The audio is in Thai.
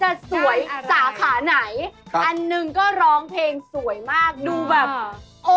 แต่สวยสาขาไหนอันหนึ่งก็ร้องเพลงสวยมากดูแบบโอ้